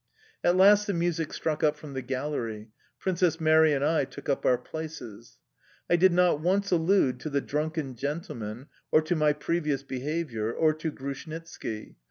At last the music struck up from the gallery, Princess Mary and I took up our places. I did not once allude to the drunken gentleman, or to my previous behaviour, or to Grushnitski.